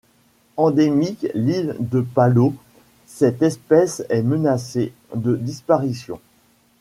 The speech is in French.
Endémique l'île de Palau, cette espèce est menacée de disparition.